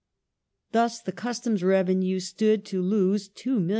Thus the customs revenue stood to lose £2,418,000.